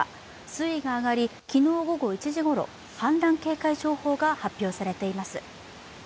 水位が上がり、昨日午後１時ごろ氾濫警戒情報が発表されています。